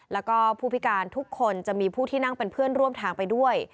แล้วก็ผู้พิการทุกคนจะมีผู้ที่นั่งเป็นเพื่อนร่วมทางไปด้วย